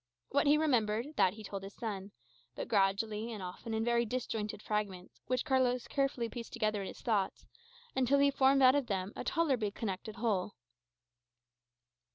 What he remembered, that he told his son; but gradually, and often in very disjointed fragments, which Carlos carefully pieced together in his thoughts, until he formed out of them a tolerably connected whole.